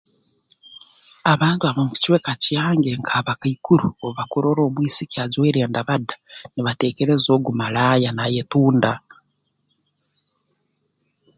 Abantu ab'omu kicweka kyange nk'abakaikuru obu bakurora omwisiki ajwaire endabada nibateekereza ogu malaaya naayetunda